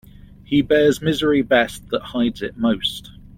He bears misery best that hides it most.